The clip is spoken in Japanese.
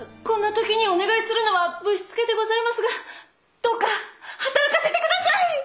こんな時にお願いするのはぶしつけでございますがどうか働かせて下さい！